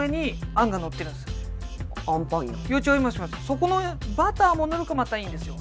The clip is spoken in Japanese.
そこもバターも塗るからまたいいんですよ。